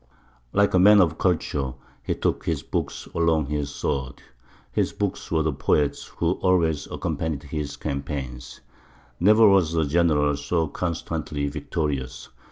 Like a man of culture, he took his books along with his sword his books were the poets who always accompanied his campaigns. Never was a general so constantly victorious.